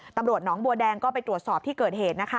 ตำรวจหนองบัวแดงก็ไปตรวจสอบที่เกิดเหตุนะคะ